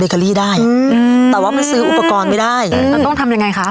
เกอรี่ได้อืมแต่ว่ามันซื้ออุปกรณ์ไม่ได้อืมเราต้องทำยังไงคะ